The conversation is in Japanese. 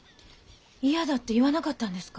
嫌だって言わなかったんですか？